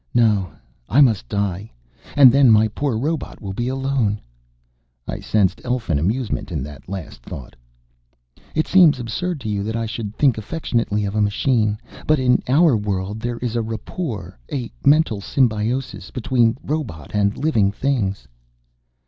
No, I must die. And then my poor robot will be alone." I sensed elfin amusement in that last thought. "It seems absurd to you that I should think affectionately of a machine. But in our world there is a rapport a mental symbiosis between robot and living beings."